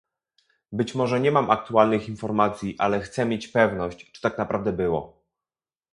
Być może nie mam aktualnych informacji, ale chcę mieć pewność, czy tak naprawdę było